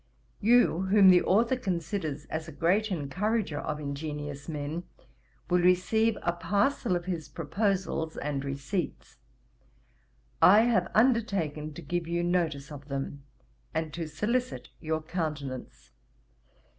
You, whom the authour considers as a great encourager of ingenious men, will receive a parcel of his proposals and receipts. I have undertaken to give you notice of them, and to solicit your countenance.